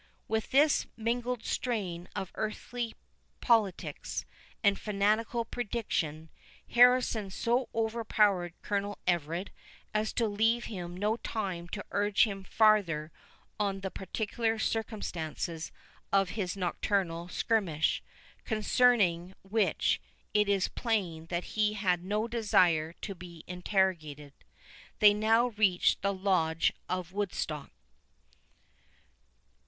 With this mingled strain of earthly politics, and fanatical prediction, Harrison so overpowered Colonel Everard, as to leave him no time to urge him farther on the particular circumstances of his nocturnal skirmish, concerning which it is plain he had no desire to be interrogated. They now reached the Lodge of Woodstock.